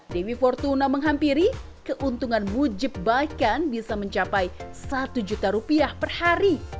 demi fortuna menghampiri keuntungan mujib bahkan bisa mencapai satu juta rupiah per hari